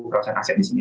perusahaan aset di sini